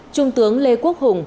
trung tướng lê quốc hùng